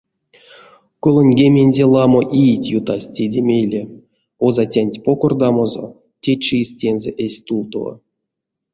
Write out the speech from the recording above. Колоньгеменде ламо иеть ютасть теде мейле, озатянть покордамозо течис тензэ эзь стувтово.